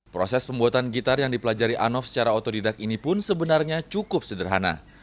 proses pembuatan gitar yang dipelajari anof secara otodidak ini pun sebenarnya cukup sederhana